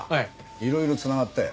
いろいろ繋がったよ。